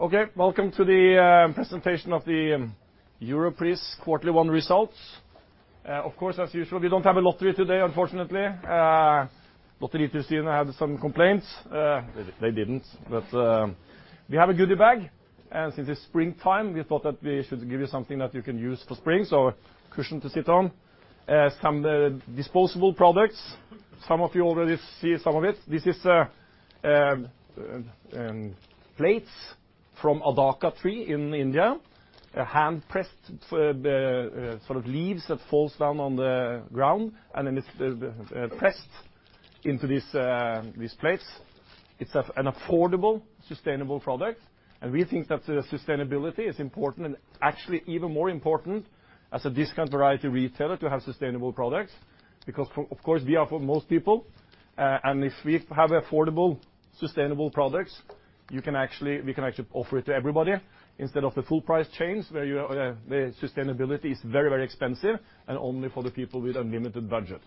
Okay. Welcome to the presentation of the Europris quarterly one results. Of course, as usual, we don't have a lottery today, unfortunately. Lottery had some complaints. They didn't. We have a goodie bag, and since it's springtime, we thought that we should give you something that you can use for spring. A cushion to sit on. Some disposable products. Some of you already see some of it. This is plates from Areca tree in India. Hand pressed for the leaves that falls down on the ground, and then it's pressed into these plates. It's an affordable, sustainable product. We think that sustainability is important and actually even more important as a discount variety retailer to have sustainable products, because, of course, we are for most people. If we have affordable sustainable products, we can actually offer it to everybody instead of the full price chains where the sustainability is very expensive and only for the people with unlimited budget.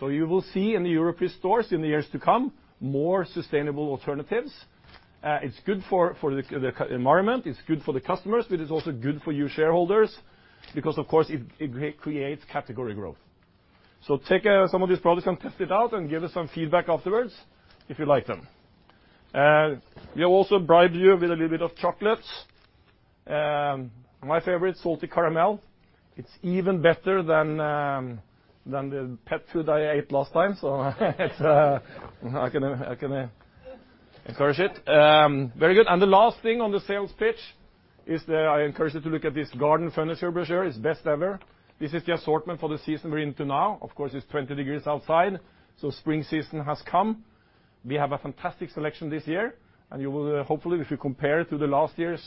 You will see in the Europris stores in the years to come, more sustainable alternatives. It's good for the environment, it's good for the customers, but it's also good for you shareholders because, of course, it creates category growth. Take some of these products and test it out and give us some feedback afterwards if you like them. We have also bribed you with a little bit of chocolates. My favorite, salty caramel. It's even better than the pet food I ate last time. I can encourage it. Very good. The last thing on the sales pitch is that I encourage you to look at this garden furniture brochure. It's best ever. This is the assortment for the season we're into now. Of course, it's 20 degrees outside, so spring season has come. We have a fantastic selection this year, and you will hopefully, if you compare it to the last year's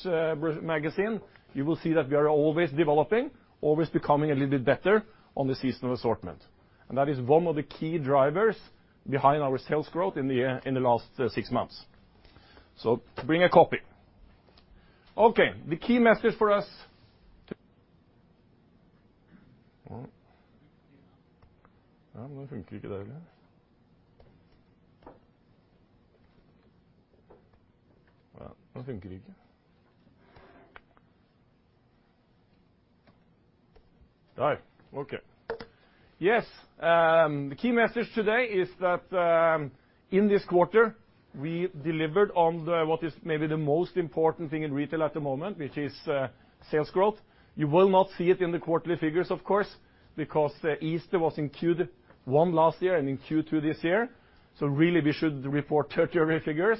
magazine, you will see that we are always developing, always becoming a little bit better on the seasonal assortment. That is one of the key drivers behind our sales growth in the last six months. Bring a copy. Okay, the key message for us to Yes, the key message today is that, in this quarter, we delivered on what is maybe the most important thing in retail at the moment, which is sales growth. You will not see it in the quarterly figures, of course, because Easter was in Q1 last year and in Q2 this year. Really we should report quarterly figures.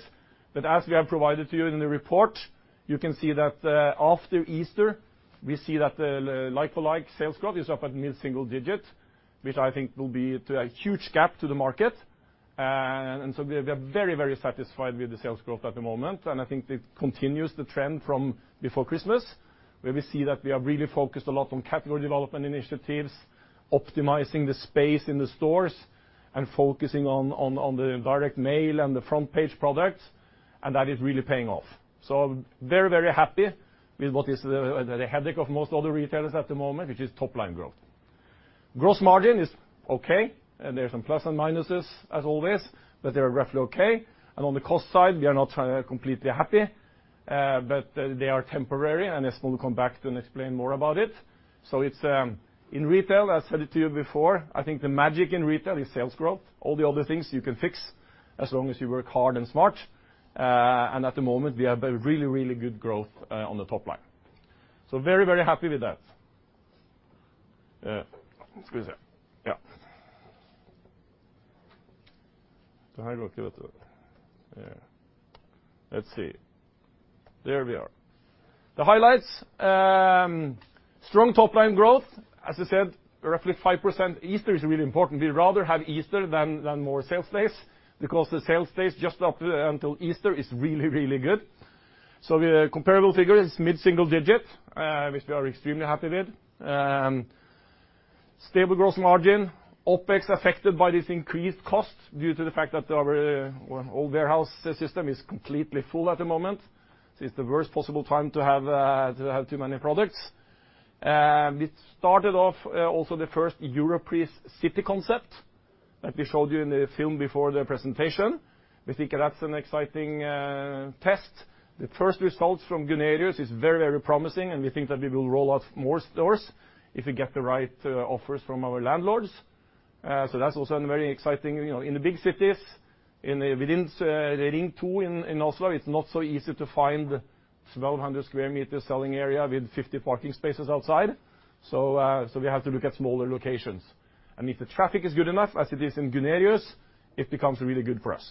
As we have provided to you in the report, you can see that after Easter, we see that the like-for-like sales growth is up at mid-single digit, which I think will be to a huge gap to the market. We are very satisfied with the sales growth at the moment, and I think it continues the trend from before Christmas, where we see that we are really focused a lot on category development initiatives, optimizing the space in the stores, and focusing on the direct mail and the front page products, and that is really paying off. Very happy with what is the headache of most other retailers at the moment, which is top line growth. Gross margin is okay, and there are some plus and minuses as always, but they are roughly okay. On the cost side, we are not completely happy. They are temporary and I just want to come back to and explain more about it. In retail, I said it to you before, I think the magic in retail is sales growth. All the other things you can fix as long as you work hard and smart. At the moment, we have a really good growth on the top line. Very happy with that. Excuse me. Yeah. Let's see. There we are. The highlights, strong top line growth. As I said, roughly 5%. Easter is really important. We'd rather have Easter than more sales days because the sales days just up until Easter is really good. The comparable figure is mid-single digit, which we are extremely happy with. Stable gross margin, OpEx affected by this increased cost due to the fact that our old warehouse system is completely full at the moment. It's the worst possible time to have too many products. We started off also the first Europris City concept that we showed you in the film before the presentation. We think that's an exciting test. The first results from Gunerius is very promising, and we think that we will roll out more stores if we get the right offers from our landlords. That's also a very exciting, in the big cities, within the Ring 2 in Oslo, it's not so easy to find 1,200 sq m selling area with 50 parking spaces outside. We have to look at smaller locations. If the traffic is good enough, as it is in Gunerius, it becomes really good for us.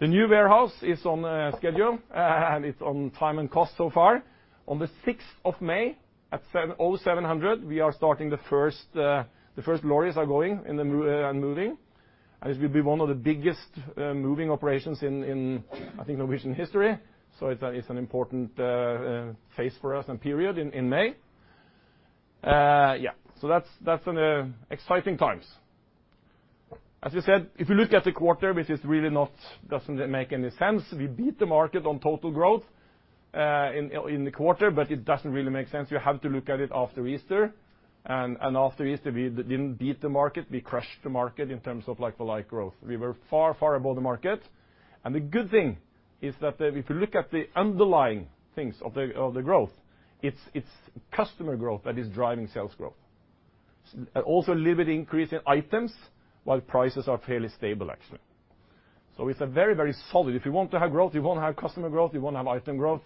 The new warehouse is on schedule, and it's on time and cost so far. On the 6th of May at 07:00 A.M., the first lorries are going and moving, and it will be one of the biggest moving operations in, I think, Norwegian history. It's an important phase for us and period in May. Yeah. That's an exciting times. As you said, if you look at the quarter, which is really not, doesn't make any sense. We beat the market on total growth, in the quarter, it doesn't really make sense. You have to look at it after Easter. After Easter, we didn't beat the market, we crushed the market in terms of like-for-like growth. We were far above the market. The good thing is that if you look at the underlying things of the growth, it's customer growth that is driving sales growth. Also a little bit increase in items while prices are fairly stable, actually. It's very solid. If you want to have growth, you want to have customer growth, you want to have item growth,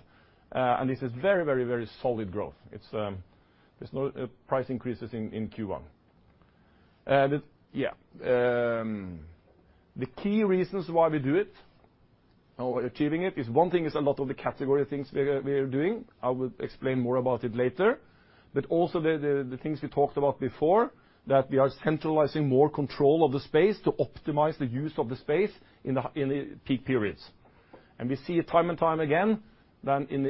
and this is very solid growth. There's no price increases in Q1. The key reasons why we do it or achieving it is one thing is a lot of the category things we are doing. I will explain more about it later. Also the things we talked about before, that we are centralizing more control of the space to optimize the use of the space in the peak periods. We see it time and time again that in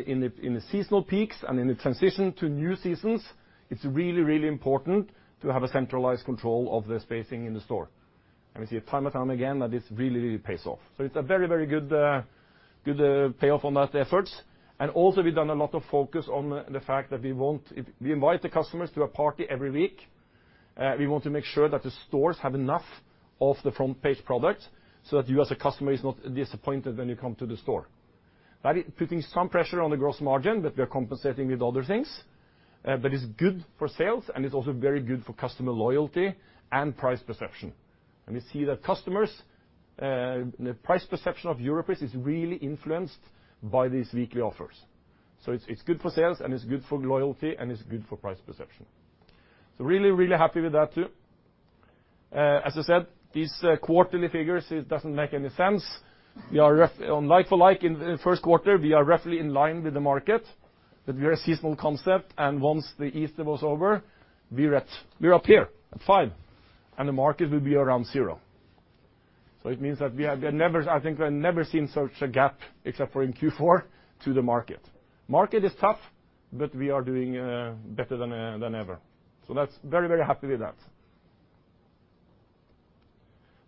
the seasonal peaks and in the transition to new seasons, it's really important to have a centralized control of the spacing in the store. We see it time and time again that this really pays off. It's a very good payoff on that efforts. Also we've done a lot of focus on the fact that if we invite the customers to a party every week, we want to make sure that the stores have enough of the front page product so that you as a customer are not disappointed when you come to the store. That is putting some pressure on the gross margin, but we are compensating with other things. It's good for sales and it's also very good for customer loyalty and price perception. We see that customers, the price perception of Europris is really influenced by these weekly offers. It's good for sales and it's good for loyalty and it's good for price perception. Really happy with that too. As I said, these quarterly figures, it doesn't make any sense. On like-for-like in the first quarter, we are roughly in line with the market, but we are a seasonal concept, and once the Easter was over, we're up here at five and the market will be around zero. It means that I think I've never seen such a gap except for in Q4 to the market. Market is tough, but we are doing better than ever. That's very happy with that.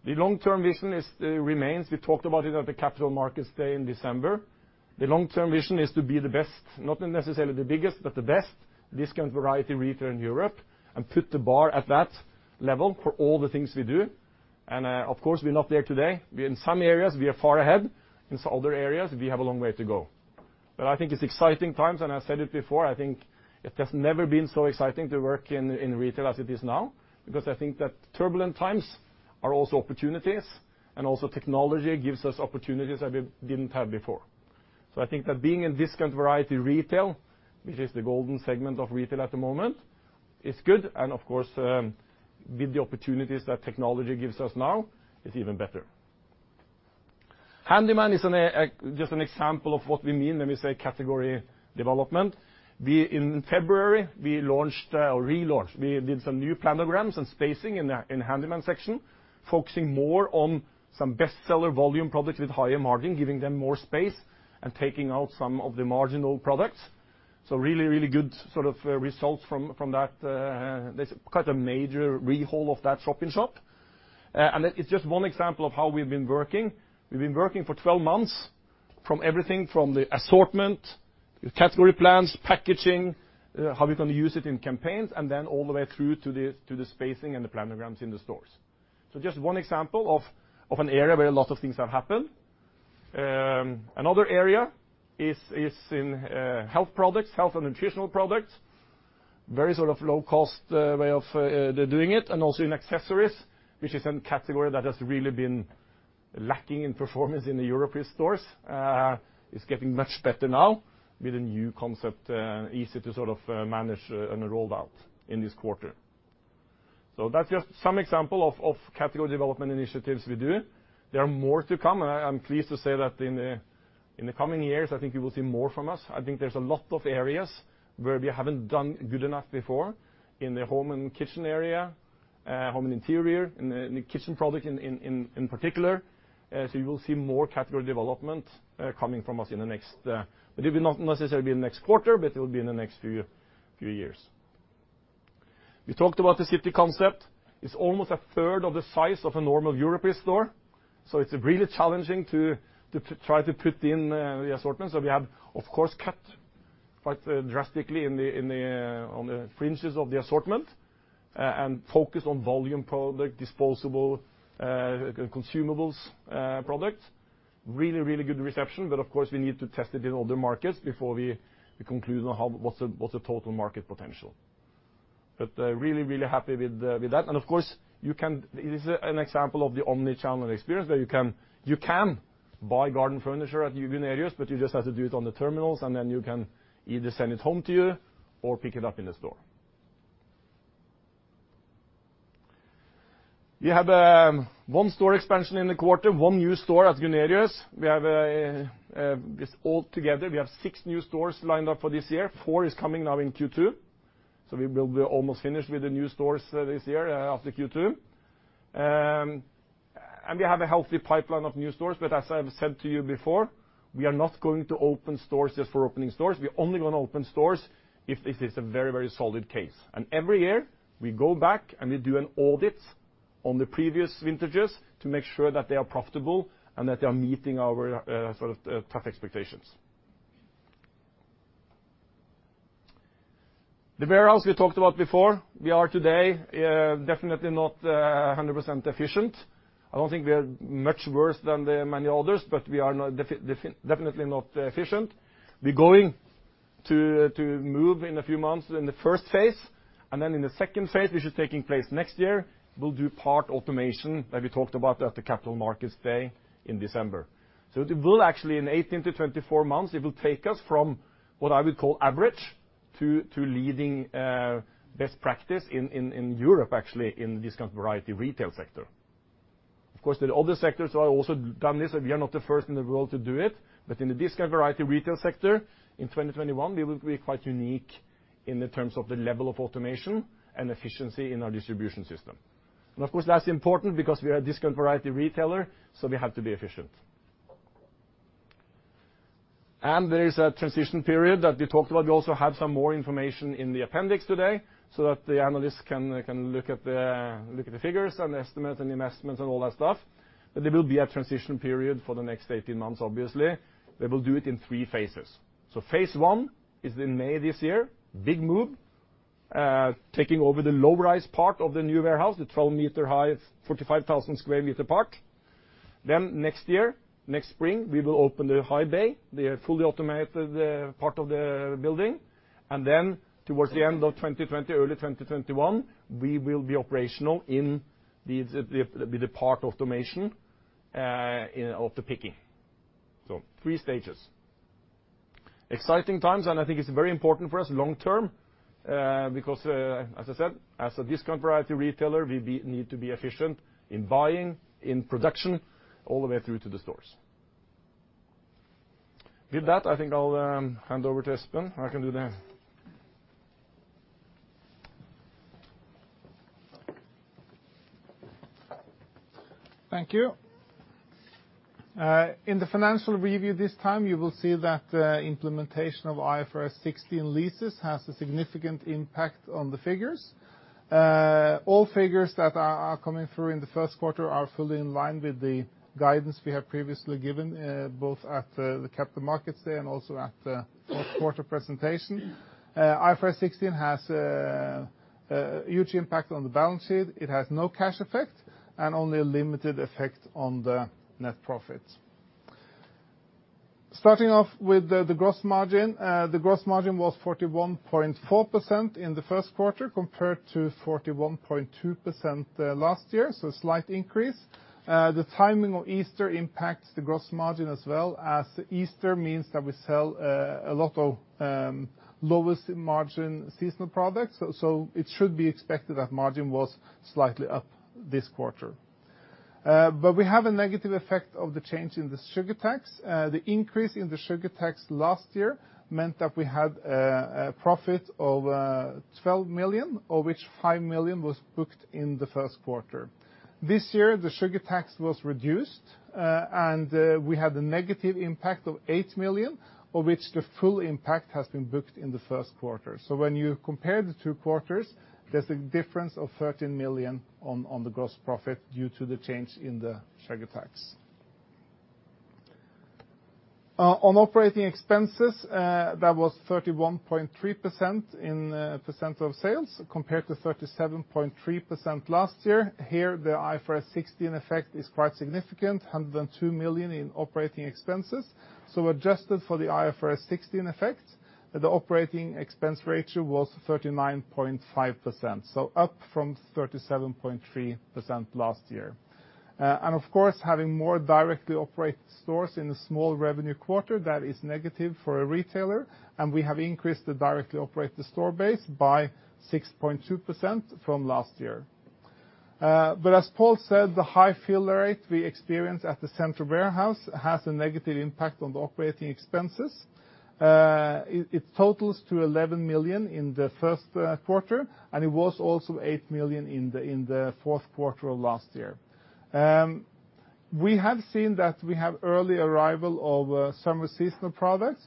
The long-term vision remains, we talked about it at the Capital Markets Day in December. The long-term vision is to be the best, not necessarily the biggest, but the best discount variety retailer in Europe and put the bar at that level for all the things we do. Of course, we're not there today. In some areas, we are far ahead. In other areas, we have a long way to go. I think it's exciting times, and I said it before, I think it has never been so exciting to work in retail as it is now, because I think that turbulent times are also opportunities, and also technology gives us opportunities that we didn't have before. I think that being in discount variety retail, which is the golden segment of retail at the moment, is good, and of course, with the opportunities that technology gives us now, it's even better. Handyman is just an example of what we mean when we say category development. In February, we launched or relaunched, we did some new planograms and spacing in the Handyman section, focusing more on some bestseller volume products with higher margin, giving them more space and taking out some of the marginal products. Really good results from that. There's quite a major rehaul of that shop-in-shop. It's just one example of how we've been working. We've been working for 12 months from everything from the assortment, category plans, packaging, how we're going to use it in campaigns, and then all the way through to the spacing and the planograms in the stores. Just one example of an area where a lot of things have happened. Another area is in health products, health and nutritional products. Very low cost way of doing it, and also in accessories, which is a category that has really been lacking in performance in the Europris stores. It's getting much better now with a new concept, easy to manage and roll out in this quarter. That's just some example of category development initiatives we do. There are more to come. I'm pleased to say that in the coming years, I think you will see more from us. I think there's a lot of areas where we haven't done good enough before in the home and kitchen area, home and interior, in the kitchen product in particular. You will see more category development coming from us in the next, maybe not necessarily in the next quarter, but it will be in the next few years. We talked about the Europris City concept. It's almost a third of the size of a normal Europris store, so it's really challenging to try to put in the assortment. We have, of course, cut quite drastically on the fringes of the assortment and focused on volume product, disposable, consumables products. Really good reception. Of course, we need to test it in other markets before we conclude on what's the total market potential. Really happy with that. Of course, it is an example of the omni-channel experience where you can buy garden furniture at Gunerius, but you just have to do it on the terminals, and then you can either send it home to you or pick it up in the store. We have one store expansion in the quarter, one new store at Gunerius. Altogether, we have six new stores lined up for this year. Four is coming now in Q2, so we will be almost finished with the new stores this year after Q2. We have a healthy pipeline of new stores, but as I have said to you before, we are not going to open stores just for opening stores. We are only going to open stores if it is a very solid case. Every year, we go back and we do an audit on the previous vintages to make sure that they are profitable and that they are meeting our tough expectations. The warehouse we talked about before, we are today definitely not 100% efficient. I don't think we are much worse than many others, but we are definitely not efficient. We're going to move in a few months in phase 1, and then in phase 2, which is taking place next year, we'll do part automation that we talked about at the Capital Markets Day in December. It will actually, in 18 to 24 months, it will take us from what I would call average to leading best practice in Europe, actually, in discount variety retail sector. Of course, there are other sectors who have also done this. We are not the first in the world to do it. In the discount variety retail sector in 2021, we will be quite unique in terms of the level of automation and efficiency in our distribution system. Of course, that's important because we are a discount variety retailer, so we have to be efficient. There is a transition period that we talked about. We also have some more information in the appendix today so that the analysts can look at the figures and estimates and investments and all that stuff. There will be a transition period for the next 18 months, obviously. We will do it in 3 phases. Phase 1 is in May this year. Big move, taking over the low-rise part of the new warehouse, the 12-meter high, 45,000 sq m part. Next year, next spring, we will open the high bay, the fully automated part of the building. Towards the end of 2020, early 2021, we will be operational in the part automation of the picking. Three stages. Exciting times, and I think it's very important for us long term, because as I said, as a discount variety retailer, we need to be efficient in buying, in production, all the way through to the stores. With that, I think I'll hand over to Espen. Thank you. In the financial review this time, you will see that implementation of IFRS 16 leases has a significant impact on the figures. All figures that are coming through in the first quarter are fully in line with the guidance we have previously given, both at the Capital Markets Day and also at the fourth quarter presentation. IFRS 16 has a huge impact on the balance sheet. It has no cash effect and only a limited effect on the net profit. Starting off with the gross margin. The gross margin was 41.4% in the first quarter, compared to 41.2% last year, a slight increase. The timing of Easter impacts the gross margin as well, as Easter means that we sell a lot of lowest margin seasonal products. It should be expected that margin was slightly up this quarter. We have a negative effect of the change in the sugar tax. The increase in the sugar tax last year meant that we had a profit of 12 million, of which 5 million was booked in the first quarter. This year, the sugar tax was reduced, and we had a negative impact of 8 million, of which the full impact has been booked in the first quarter. When you compare the two quarters, there's a difference of 13 million on the gross profit due to the change in the sugar tax. On operating expenses, that was 31.3% in percent of sales compared to 37.3% last year. Here, the IFRS 16 effect is quite significant, 102 million in operating expenses. Adjusted for the IFRS 16 effect, the operating expense ratio was 39.5%, up from 37.3% last year. Of course, having more directly operated stores in a small revenue quarter, that is negative for a retailer, and we have increased the directly operated store base by 6.2% from last year. As Pål said, the high fill rate we experienced at the central warehouse has a negative impact on the operating expenses. It totals to 11 million in the first quarter, and it was also 8 million in the fourth quarter of last year. We have seen that we have early arrival of summer seasonal products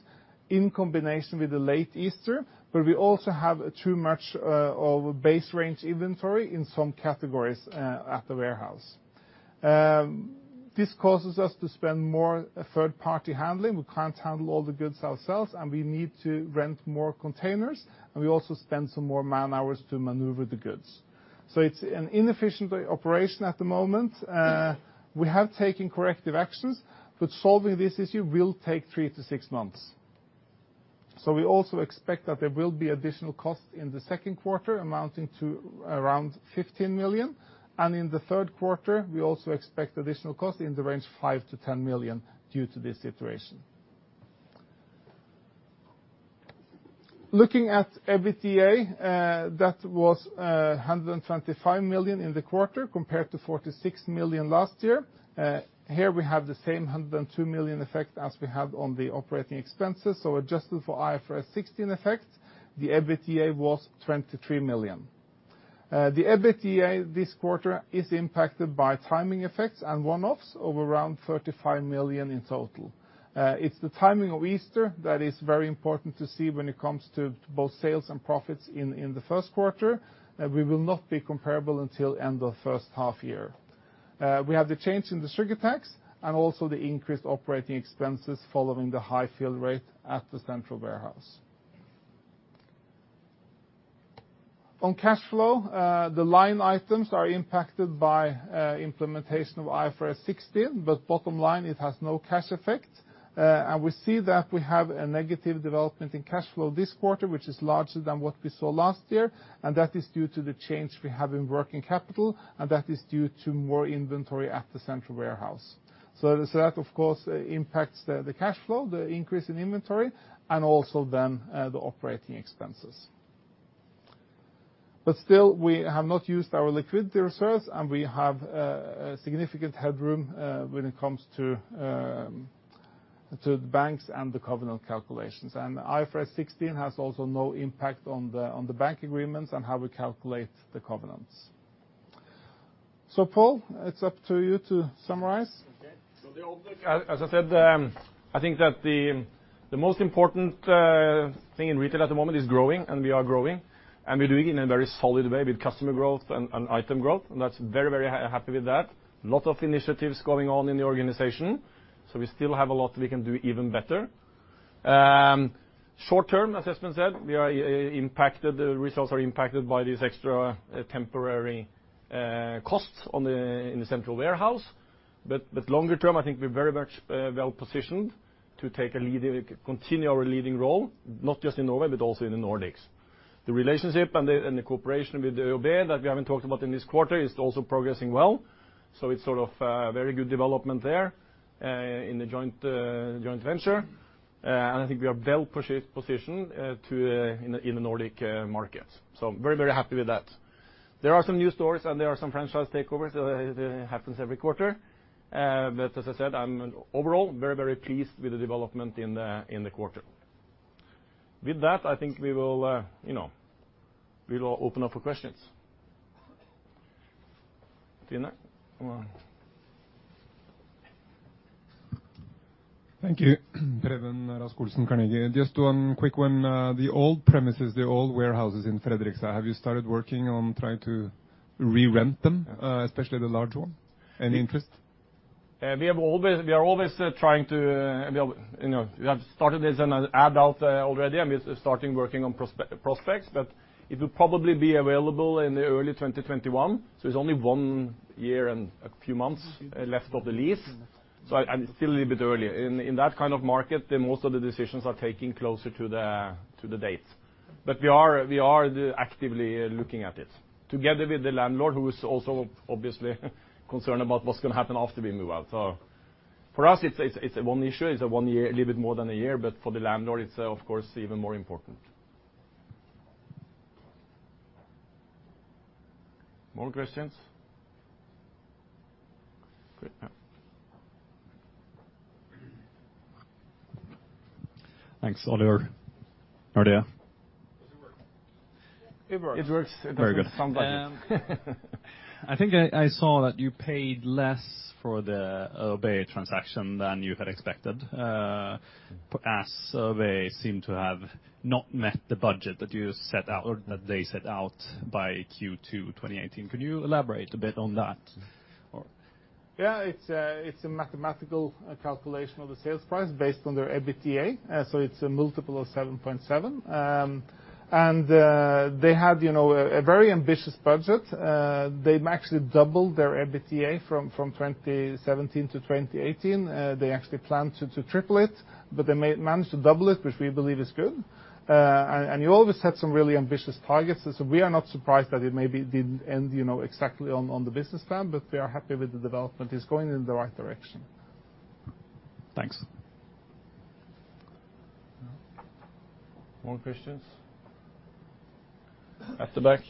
in combination with the late Easter, but we also have too much of base range inventory in some categories at the warehouse. This causes us to spend more third-party handling. We can't handle all the goods ourselves, and we need to rent more containers, and we also spend some more man-hours to maneuver the goods. It's an inefficient operation at the moment. We have taken corrective actions, solving this issue will take three to six months. We also expect that there will be additional costs in the second quarter amounting to around 15 million, and in the third quarter, we also expect additional costs in the range of 5 million-10 million due to this situation. Looking at EBITDA, that was 125 million in the quarter compared to 46 million last year. Here we have the same 102 million effect as we have on the operating expenses. Adjusted for IFRS 16 effect, the EBITDA was 23 million. The EBITDA this quarter is impacted by timing effects and one-offs of around 35 million in total. It's the timing of Easter that is very important to see when it comes to both sales and profits in the first quarter. We will not be comparable until end of first half year. We have the change in the sugar tax and also the increased operating expenses following the high fill rate at the central warehouse. On cash flow, the line items are impacted by implementation of IFRS 16, bottom line, it has no cash effect. We see that we have a negative development in cash flow this quarter, which is larger than what we saw last year, and that is due to the change we have in working capital, and that is due to more inventory at the central warehouse. That, of course, impacts the cash flow, the increase in inventory, and also the operating expenses. Still, we have not used our liquidity reserves, and we have significant headroom when it comes to banks and the covenant calculations. IFRS 16 has also no impact on the bank agreements and how we calculate the covenants. Pål, it's up to you to summarize. Okay. As I said, I think that the most important thing in retail at the moment is growing, and we are growing, and we're doing it in a very solid way with customer growth and item growth. That's very, very happy with that. Lot of initiatives going on in the organization, we still have a lot we can do even better. Short term, as Espen said, the results are impacted by these extra temporary costs in the central warehouse. Longer term, I think we're very much well positioned to continue our leading role, not just in Norway, but also in the Nordics. The relationship and the cooperation with ÖoB that we haven't talked about in this quarter is also progressing well. It's sort of a very good development there in the joint venture. I think we are well positioned in the Nordic market. Very, very happy with that. There are some new stores and there are some franchise takeovers. It happens every quarter. As I said, I'm overall very, very pleased with the development in the quarter. With that, I think we will open up for questions. [Tina]? Thank you. Preben Rasch-Olsen, Carnegie. Just one quick one. The old premises, the old warehouses in Fredrikstad, have you started working on trying to re-rent them, especially the large one? Any interest? We have started this and add out already, and we starting working on prospects, it will probably be available in early 2021, it's only one year and a few months left of the lease. Still a little bit early. In that kind of market, most of the decisions are taken closer to the date. We are actively looking at it together with the landlord who is also obviously concerned about what's going to happen after we move out. For us, it's one issue, it's a little bit more than a year, but for the landlord, it's of course, even more important. More questions? Good. Now. Thanks. Oliver Nordea. Does it work? It works. It works. Very good. Sounds like it. I think I saw that you paid less for the ÖoB transaction than you had expected, as ÖoB seemed to have not met the budget that you set out or that they set out by Q2 2018. Could you elaborate a bit on that? Yeah, it's a mathematical calculation of the sales price based on their EBITDA. It's a multiple of 7.7. They had a very ambitious budget. They've actually doubled their EBITDA from 2017 to 2018. They actually planned to triple it, but they managed to double it, which we believe is good. You always had some really ambitious targets. We are not surprised that it maybe didn't end exactly on the business plan, but we are happy with the development. It's going in the right direction. Thanks. More questions? At the back.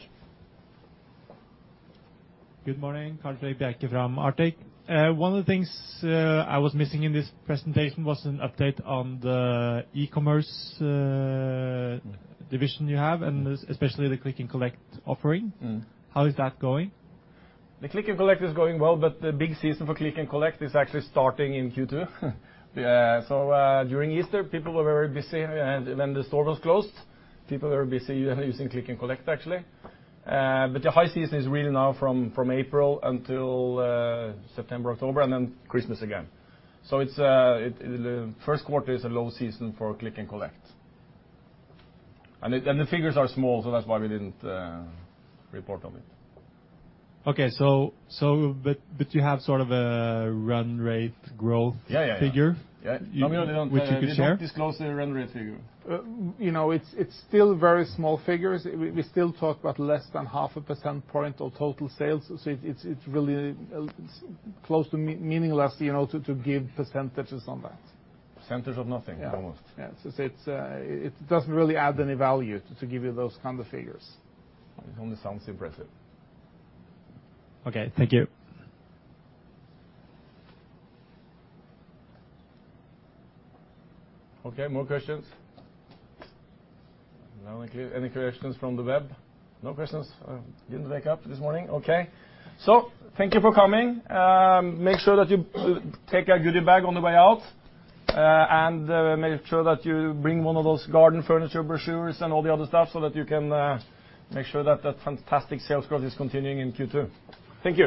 Good morning. Carl Iversen from Arctic. One of the things I was missing in this presentation was an update on the e-commerce division you have and especially the click and collect offering. How is that going? The click and collect is going well, the big season for click and collect is actually starting in Q2. Yeah. During Easter, people were very busy when the store was closed. People were busy using click and collect, actually. The high season is really now from April until September, October, and then Christmas again. The first quarter is a low season for click and collect. The figures are small, that's why we didn't report on it. Okay. You have sort of a run rate growth figure. Yeah. Which you could share? Normally, they don't disclose the run rate figure. It's still very small figures. We still talk about less than half a percent point of total sales, so it's really close to meaningless to give percentages on that. Percentage of nothing, almost. Yeah. It doesn't really add any value to give you those kind of figures. It only sounds impressive. Okay. Thank you. Okay, more questions? No, any questions from the web? No questions? Didn't wake up this morning? Okay. Thank you for coming. Make sure that you take a goodie bag on the way out, and make sure that you bring one of those garden furniture brochures and all the other stuff so that you can make sure that that fantastic sales growth is continuing in Q2. Thank you.